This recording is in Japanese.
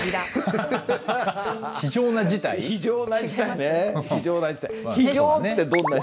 「非常な事態」ね。